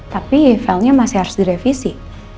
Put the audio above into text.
tapi effelnya masih harus direvisi